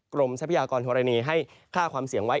ทรัพยากรธรณีให้ค่าความเสี่ยงไว้